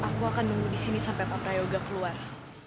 biarin aku akan nunggu disini sampe pap rayoga keluar